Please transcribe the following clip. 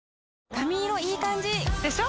髪色いい感じ！でしょ？